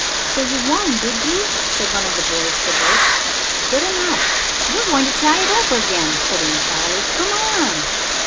"So you won, did you?" said one of the boys to Bert. "Good enough." "We are going to try it over again," put in Charley. "Come on."